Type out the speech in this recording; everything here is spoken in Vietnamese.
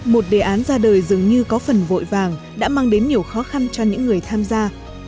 một đề án ra đời dường như có phần vội vàng đã mang đến nhiều khó khăn cho những người tham gia